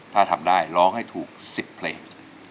ถ้าทำได้ร้องให้ถูก๑๐เพลง